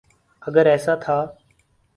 اگر ایسا تھا۔